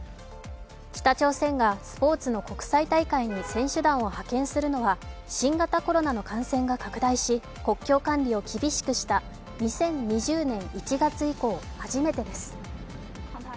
北朝鮮がスポーツの国際大会に選手団を派遣するのは新型コロナの感染が拡大し、国境管理を厳しくした２０２０年１月以降初めてです。